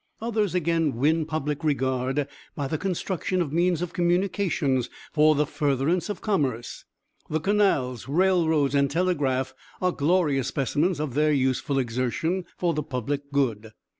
Others again win public regard by the construction of means of communication for the furtherance of commerce. The canals, railroads, and telegraph are glorious specimens of their useful exertion for the public good.